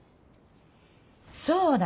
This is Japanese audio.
そうだ。